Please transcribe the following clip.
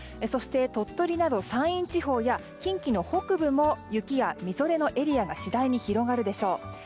そして鳥取など山陰地方や近畿の北部も雪やみぞれのエリアが次第に広がるでしょう。